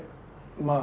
まあ。